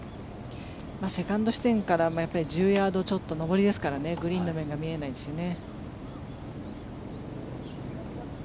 セカンド地点から１０ヤードちょっとグリーンの面が見えないですからね。